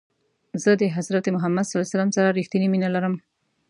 زه له حضرت محمد ص سره رښتنی مینه لرم.